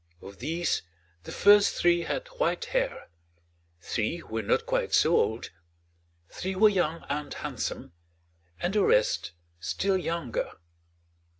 Of these the first three had white hair, three were not quite so old, three were young and handsome, and the rest still younger.